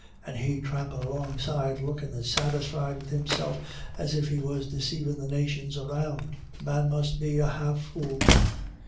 And he trampin' alongside lookin* as satisfied with himself as if he was deceivin' the nations around. The man must be a half fool